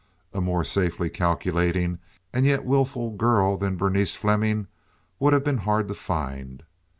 A more safely calculating and yet wilful girl than Berenice Fleming would have been hard to find.